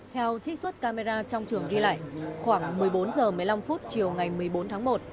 theo trích xuất camera trong trường ghi lại khoảng một mươi bốn h một mươi năm chiều ngày một mươi bốn tháng một